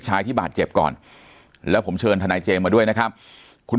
ชายที่บาดเจ็บก่อนแล้วผมเชิญทนายเจมส์มาด้วยนะครับคุณ